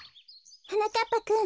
はなかっぱくん。